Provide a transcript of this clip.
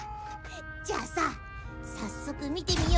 じゃあささっそく見てみようか。